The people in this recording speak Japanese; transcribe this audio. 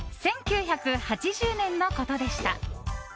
１９８０年のことでした。